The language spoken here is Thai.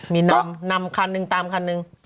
มีนำขันนึงตามขันนึง